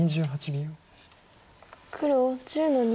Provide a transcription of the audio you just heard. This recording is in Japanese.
２８秒。